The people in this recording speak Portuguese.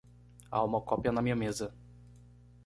Há uma cópia na minha mesa.